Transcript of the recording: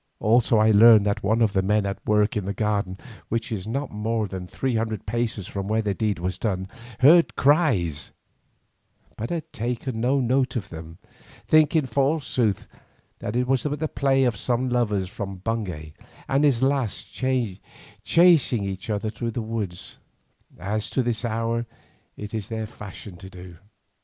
Also I learned that one of the men at work in the garden, which is not more than three hundred paces from where the deed was done, heard cries, but had taken no note of them, thinking forsooth that it was but the play of some lover from Bungay and his lass chasing each other through the woods, as to this hour it is their fashion to do.